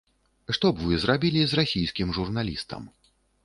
Што б вы зрабілі з расійскім журналістам?